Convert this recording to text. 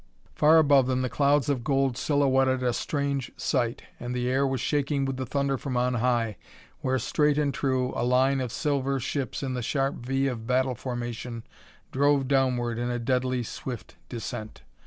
Far above them the clouds of gold silhouetted a strange sight, and the air was shaking with the thunder from on high, where, straight and true, a line of silver ships in the sharp V of battle formation drove downward in a deadly, swift descent.